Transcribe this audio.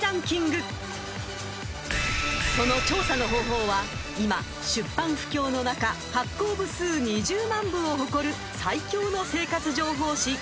［その調査の方法は今出版不況の中発行部数２０万部を誇る最強の生活情報誌『ＬＤＫ』］